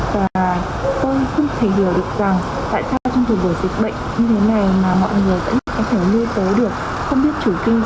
và tôi không thể hiểu được rằng tại sao trong thời buổi dịch bệnh như thế này